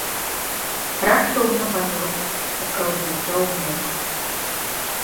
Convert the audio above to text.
Раптоўна памёр ад кровазліцця ў мозг.